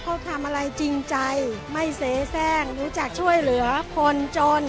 เขาทำอะไรจริงใจไม่เสียแทรกรู้จักช่วยเหลือคนจน